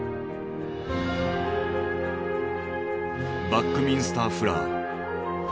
バックミンスター・フラー。